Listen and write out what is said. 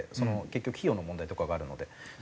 結局費用の問題とかがあるので。